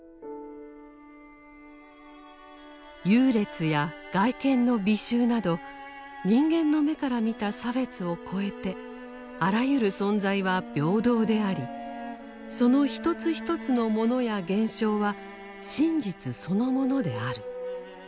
優劣や外見の美醜など人間の目から見た差別を超えてあらゆる存在は平等でありその一つ一つの物や現象は真実そのものである。